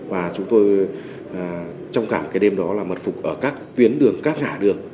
và chúng tôi trong cả cái đêm đó là mật phục ở các tuyến đường các ngã đường